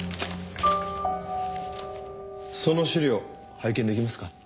その資料拝見できますか？